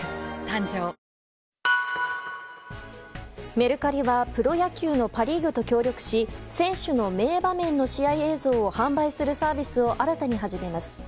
メルカリはプロ野球のパ・リーグと協力し選手の名場面の試合映像を販売するサービスを新たに始めます。